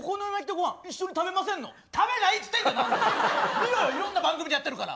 見ろよいろんな番組でやってるから。